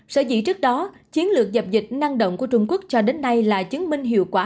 sở dĩ trước đó chiến lược dập dịch năng động của trung quốc cho đến nay là chứng minh hiệu quả